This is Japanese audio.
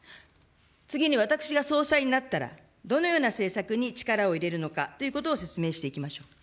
次に、私が総裁になったら、どのような政策に力を入れるのかということを説明していきましょう。